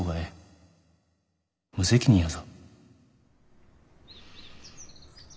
無責任やぞ。